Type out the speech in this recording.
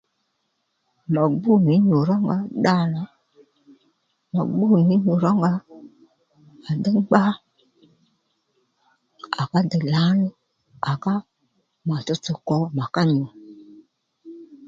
Ma gbú nì mà rónga dda nà mà gbú nì nyû rónga à déy ngbá à ká dey lǎní à ká mà tso kwo mà ká nyù